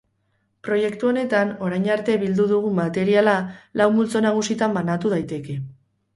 Proiektu honetan orain arte bildu dugun materiala lau multzo nagusitan banatu daiteke.